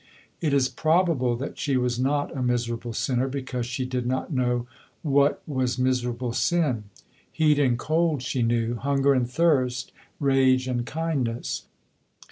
It is probable that she was not a miserable sinner because she did not know what was miserable sin. Heat and cold she knew, hunger and thirst, rage and kindness.